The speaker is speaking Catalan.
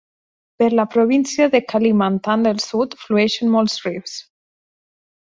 Per la província de Kalimantan del Sud flueixen molts rius.